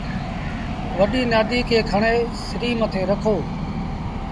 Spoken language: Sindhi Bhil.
وڏيٚ نآديٚ کي کڻي سريٚݩ مٿي رکو۔